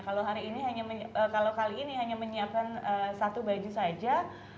kalau hari ini kalau kali ini hanya menyiapkan satu baju saja